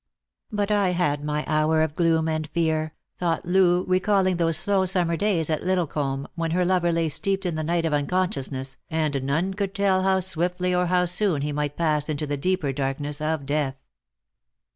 " But I had my hour of gloom and fear," thought Loo, re calling those slow summer days at Liddlecomb, when her lover lay steeped in the night of unconsciousness, and none could tell how swiftly or how soon he might pass into the deeper darkness of death.